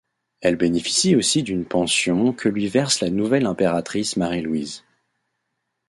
Elle bénéficie aussi d’une pension que lui verse la nouvelle impératrice Marie-Louise.